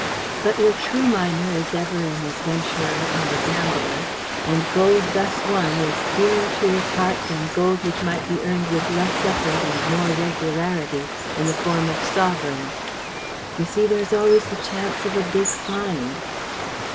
But your true miner is ever an adventurer and a gambler, and gold thus won is dearer to his heart than gold which might be earned with less effort and more regularity in the form of sovereigns. You see, there is always the chance of a big find.